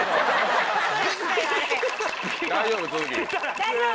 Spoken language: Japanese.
大丈夫？